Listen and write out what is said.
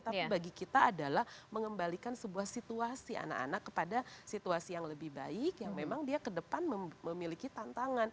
tapi yang saya ingin tahu adalah mengembalikan sebuah situasi anak anak kepada situasi yang lebih baik yang memang dia kedepan memiliki tantangan